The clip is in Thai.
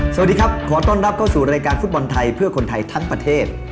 สวัสดีครับขอต้อนรับเข้าสู่รายการฟุตบอลไทยเพื่อคนไทยทั้งประเทศ